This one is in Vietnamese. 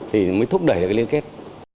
thì mới thúc đẩy được liên kết